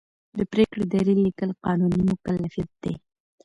د پرېکړې دلیل لیکل قانوني مکلفیت دی.